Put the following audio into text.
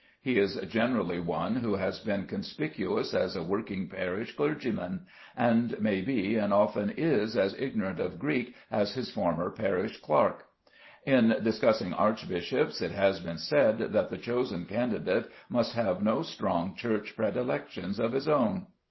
He is generally one who has been conspicuous as a working parish clergyman, and may be and often is as ignorant of Greek as his former parish clerk. In discussing archbishops it has been said that the chosen candidate must have no strong Church predilections of his own.